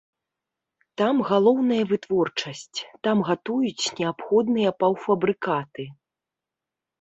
Там галоўная вытворчасць, там гатуюць неабходныя паўфабрыкаты.